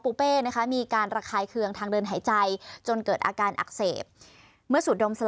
ปูเป้นะคะมีการระคายเครื่องทางเดินหายใจจนเกิดอาการอักเสบ